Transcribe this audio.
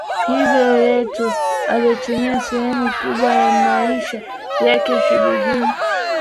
Hivyo Yesu alitumia sehemu kubwa ya maisha yake kijijini